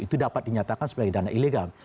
itu dapat dinyatakan sebagai dana ilegal